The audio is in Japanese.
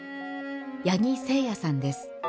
八木聖弥さんです。